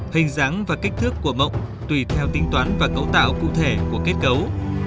hình dáng và kích thước của mộng tùy theo tính toán và cấu tạo cụ thể của kết cấu